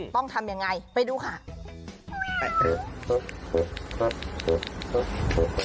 ต้องทำยังไงไปดูค่ะ